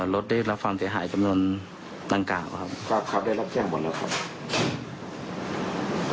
รถได้รับความเสียหายจำนวนดังกล่าวครับก็เขาได้รับแจ้งหมดแล้วครับ